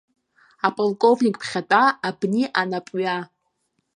Аполковник ԥхьатәа, абни анап ҩа.